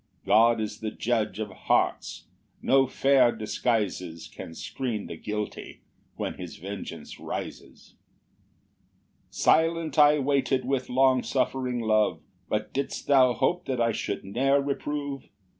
God is the judge of hearts; no fair disguises Can screen the guilty when his vengeance rises. 13 "Silent I waited with long suffering love; "But didst thou hope that I should ne'er reprove?